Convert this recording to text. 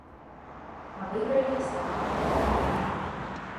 А выйгралі эстафету немкі.